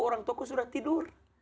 orang tuaku sudah tidur